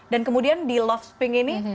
dan kemudian di love sping ini